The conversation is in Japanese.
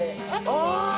ああ！